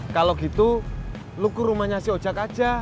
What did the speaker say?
kalo gitu lu ke rumahnya si ojak aja